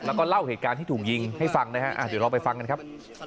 แล้วก็เล่าเหตุการณ์ที่ถูกยิงให้ฟังนะครับ